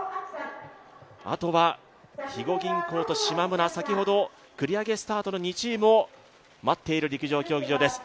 あとは肥後銀行としまむら、先ほど繰り上げスタートの２チームを待っている陸上競技場です。